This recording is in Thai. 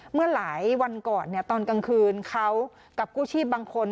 เมื่อหลายวันก่อนตอนกลางคืนเขากับกู้ชีพบางคน